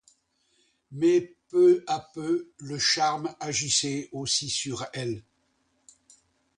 Mais, peu à peu, le charme agissait aussi sur elle.